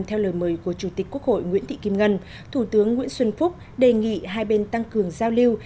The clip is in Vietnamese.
theo lời mời của chủ tịch quốc hội nguyễn thị kim ngân thủ tướng nguyễn xuân phúc đề nghị hai bên tăng cường giao lưu